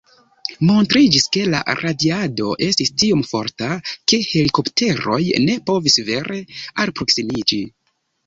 Montriĝis, ke la radiado estis tiom forta, ke helikopteroj ne povis vere alproksimiĝi.